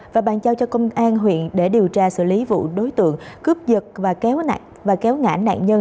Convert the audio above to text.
và bàn giao cho công an huyện để điều tra xử lý vụ đối tượng cướp giật và kéo ngã nạn nhân